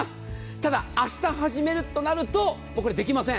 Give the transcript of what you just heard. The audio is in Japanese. ただ、明日始めるとなるとこれ、できません。